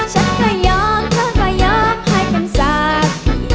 ฉันก็ยอมเธอก็ยอมให้มันสักที